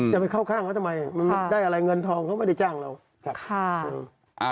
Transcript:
จะไปเข้าข้างแล้วทำไมได้อะไรเงินทองเขาไม่ได้จ้างเรา